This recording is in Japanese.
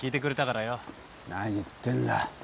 何言ってんだ。